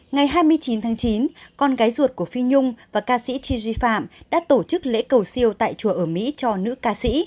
ngày hai mươi chín tháng chín con gái ruột của phi nhung và ca sĩ tgi phạm đã tổ chức lễ cầu siêu tại chùa ở mỹ cho nữ ca sĩ